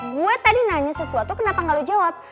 gue tadi nanya sesuatu kenapa gak lu jawab